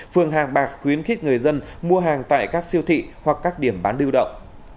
phường hàng bạc khuyến khích người dân mua hàng tại các siêu thị hoặc các điểm bán lưu động